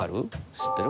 知ってる？